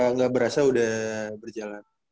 nggak berasa udah berjalan